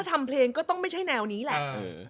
ทำเพลงก็ต้องไม่ใช่แนวนี้แหละ